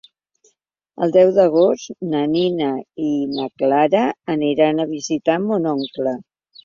El deu d'agost na Nina i na Clara aniran a visitar mon oncle.